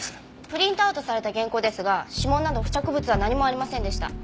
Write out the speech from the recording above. プリントアウトされた原稿ですが指紋など付着物は何もありませんでした。